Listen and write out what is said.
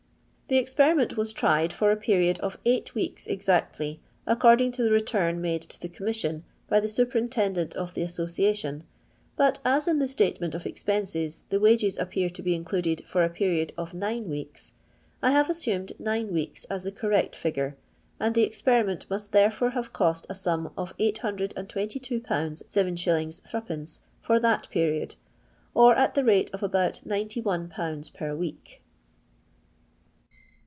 "The experiment was tried for a period of eight weeks exactly, according to the return made to the Commission by the Superintendent of the Association, but as in the statement of expenses the wages appear to be included for a period of nine weeks, I have assumed nine weeks af the correct figure, and the experiment must therefore have cost a sum of £822 7s. 3d for that period, or at the rate of about £91 per week.